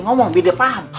ngomong di depan